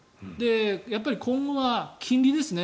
やっぱり、今後は金利ですね。